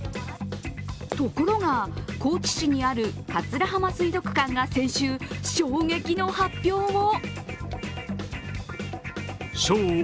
ところが、高知市にある桂浜水族館が先週、衝撃の発表を。